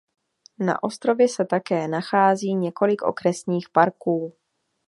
Na ostrově se také nachází několik okresních parků.